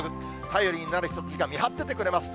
頼りになる人たちが、見張っててくれます。